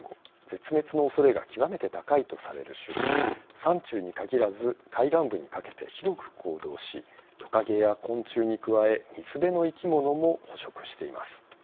絶滅のおそれが極めて高いとされる種で山中に限らず海岸部にかけて広く行動しトカゲや昆虫に加え水辺の生き物も補食しています。